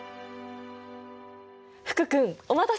福君お待たせ！